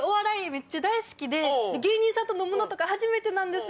めっちゃ大好きで芸人さんと飲むの初めてなんです。